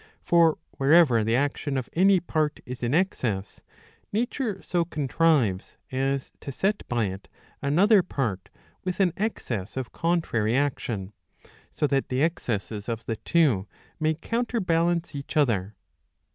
For, wherever the action of any part is in excess, nature so contrives as to set by it another part with an excess of contrary action, so that the excesses of the two may counterbalance each other.